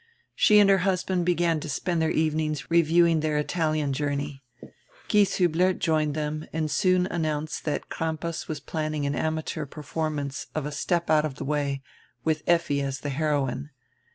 She and her husband began to spend dieir evenings review ing dieir Italian journey. Gieshiibler joined them and soon announced diat Crampas was planning an amateur per formance of A Step out of die Way, with Effi as the heroine.